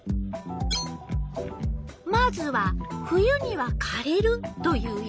まずは「冬にはかれる」という予想。